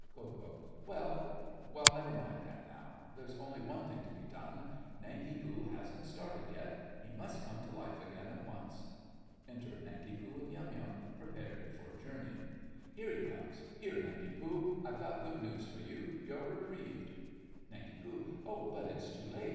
KO. Well, well, never mind that now. There's only one thing to be done. Nanki Poo hasn't started yet—he must come to life again at once. (Enter Nanki Poo and Yum Yum prepared for journey.) Here he comes. Here, Nanki Poo, I've good news for you—you're reprieved. NANK. Oh, but it's too late.